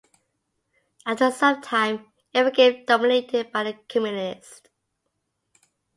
After some time, it became dominated by the communists.